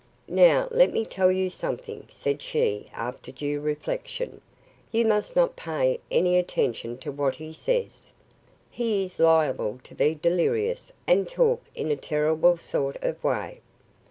"Now, let me tell you something," said she, after due reflection. "You must not pay any attention to what he says. He is liable to be delirious and talk in a terrible sort of way.